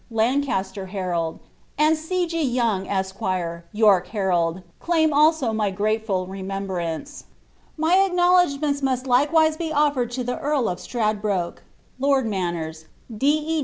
Lancaster Herald, end C. O. Young, Esq. York Herald, aim also my grateful remembrance. My acknowledgments must likewise be otfered to the Earl of Strad oroke. Lord Mimnera, D. E.